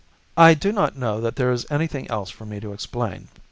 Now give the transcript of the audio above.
"I do not know that there is anything else for me to explain.